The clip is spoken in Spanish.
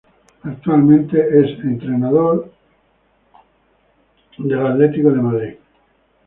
Actualmente es entrenado de los Santa Cruz Warriors.